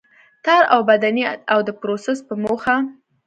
تار اوبدنې او د پروسس په موخه.